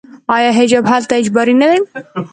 آیا حجاب هلته اجباري نه دی؟